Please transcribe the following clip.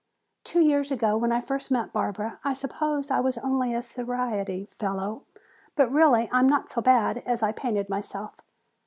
"Two years ago when I first met Barbara I suppose I was only a society fellow, but really I was not so bad as I painted myself.